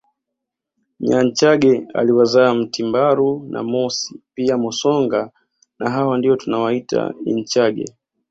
Nyanchage aliwazaa Mtimbaru na Mosi pia Mosonga na hawa ndio tunawaita inchage